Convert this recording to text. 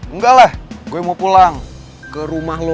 enggak lah gue mau pulang ke rumah lo